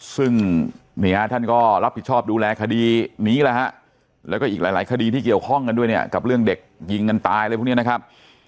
ซึ่งนี่ฮะท่านก็รับผิดชอบดูแลคดีนี้แหละฮะแล้วก็อีกหลายคดีที่เกี่ยวข้องกันด้วยเนี่ยกับเรื่องเด็กยิงกันตายอะไรพวกนี้นะครับ